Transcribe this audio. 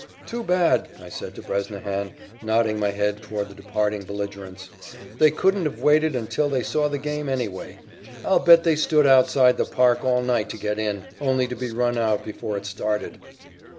"Too bad," I said to Bresnahan, nodding my head toward the departing belligerents, "they couldn't have waited until they saw the game, anyway. I'll bet they stood outside the park all night to get in, only to be run out before it started."